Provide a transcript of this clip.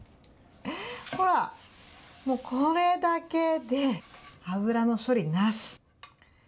ほら、もうこれだけで、油の処理なし。